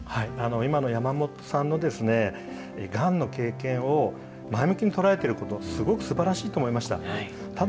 今の山本さんのがんの経験を前向きに捉えてること、すごくすばらしいと思いました。